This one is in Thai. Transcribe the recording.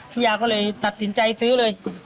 ยาก็เลยตัดสินใจซื้อเลย